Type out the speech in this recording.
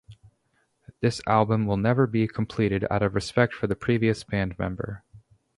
This album will never be completed out of respect for the previous band member.